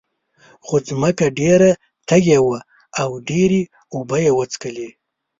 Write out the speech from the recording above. خو ځمکه ډېره تږې وه او ډېرې اوبه یې وڅکلې.